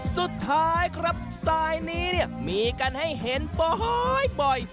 สุดท้ายครับสายนี้เนี่ยมีกันให้เห็นบ่อย